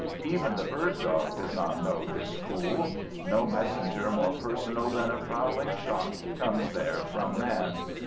Even the bird dog does not know this pool. No messenger more personal than a prowling shot comes there from man.